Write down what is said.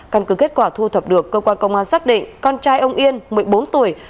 căn cứ kết quả thu thập được cơ quan công an xác định con trai ông yên một mươi bốn tuổi